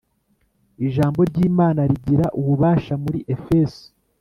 Ijambo ry ‘imana rigira ububasha muri Efeso.